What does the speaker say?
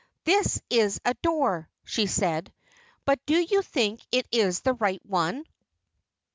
"This is a door," she said, "but do you think it is the right one?"